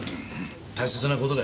大切な事だよ。